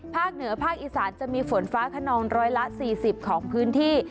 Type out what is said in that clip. เหนือภาคอีสานจะมีฝนฟ้าขนองร้อยละ๔๐ของพื้นที่